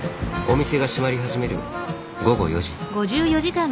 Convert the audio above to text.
お店が閉まり始める午後４時。